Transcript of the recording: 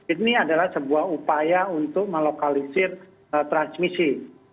ini adalah sebuah upaya untuk melokalisir transmisi